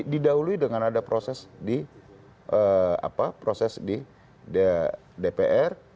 didahului dengan ada proses di dpr